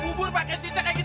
bubur pakai jerjak kayak gitu